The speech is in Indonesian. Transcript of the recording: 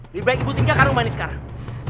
lebih baik ibu tinggalkan umpani sekarang